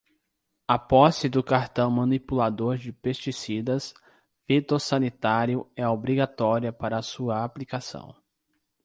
A posse do cartão manipulador de pesticidas fitossanitário é obrigatória para a sua aplicação.